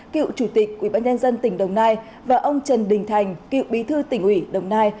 cựu chủ tịch quỹ bán nhân dân tỉnh đồng nai và ông trần đình thành cựu bí thư tỉnh ủy đồng nai